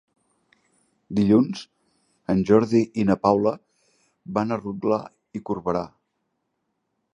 Dilluns en Jordi i na Paula van a Rotglà i Corberà.